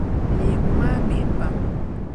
Leemu maa mihi pam.